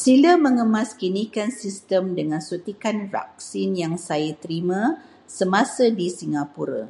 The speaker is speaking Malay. Sila mengemaskinikan sistem dengan suntikan vaksin yang saya terima semasa di Singapura.